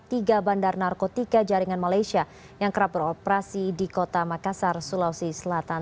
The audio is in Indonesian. tiga bandar narkotika jaringan malaysia yang kerap beroperasi di kota makassar sulawesi selatan